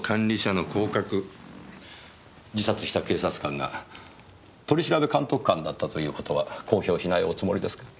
自殺した警察官が取調監督官だったという事は公表しないおつもりですか？